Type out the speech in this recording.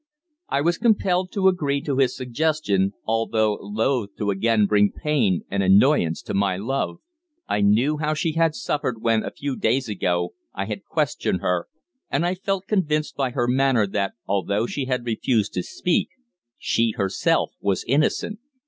I was compelled to agree to his suggestion, although loth to again bring pain and annoyance to my love. I knew how she had suffered when, a few days ago, I had questioned her, and I felt convinced by her manner that, although she had refused to speak, she herself was innocent.